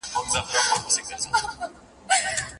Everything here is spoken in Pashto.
کورنۍ باید دا خبره ناسم نه ګڼي.